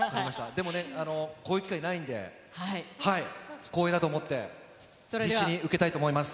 でもね、こういう機会ないんで、光栄だと思って、必死に受けたいと思います。